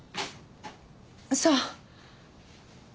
そう。